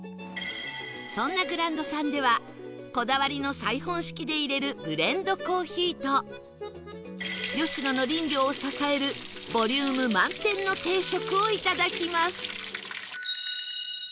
そんなグランドさんではこだわりのサイフォン式でいれるブレンドコーヒーと吉野の林業を支えるボリューム満点の定食をいただきます